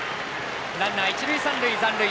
ランナー、一塁三塁、残塁。